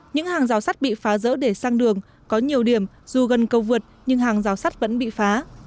những hàng rào sắt bị phá rỡ để sang đường có nhiều điểm dù gần cầu vượt nhưng hàng rào sắt vẫn bị phá